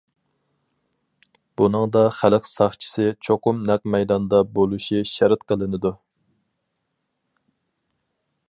بۇنىڭدا خەلق ساقچىسى چوقۇم نەق مەيداندا بولۇشى شەرت قىلىنىدۇ.